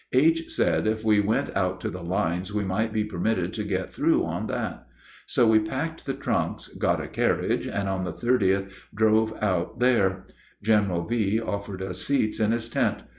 H. said if we went out to the lines we might be permitted to get through on that. So we packed the trunks, got a carriage, and on the 30th drove out there. General V. offered us seats in his tent.